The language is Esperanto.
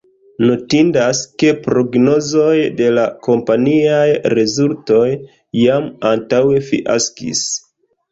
Notindas, ke prognozoj de la kompaniaj rezultoj jam antaŭe fiaskis.